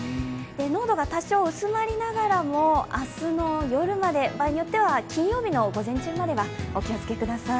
濃度が多少薄まりながらも明日の夜まで、場合に酔っては金曜日の午前中まではお気をつけください。